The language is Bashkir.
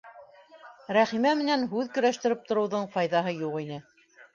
Рәхимә менән һүҙ көрәштереп тороуҙың файҙаһы юҡ ине.